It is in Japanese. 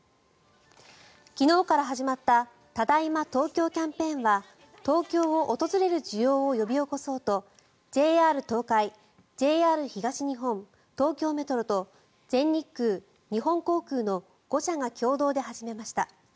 昨日から始まったただいま東京キャンペーンは東京を訪れる需要を呼び起こそうとＪＲ東海、ＪＲ東日本東京メトロと全日空、日本航空の５社が共同で始めました。